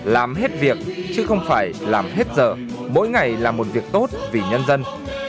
làm hết việc chứ không phải làm hết giờ mỗi ngày làm một việc tốt vì nhân dân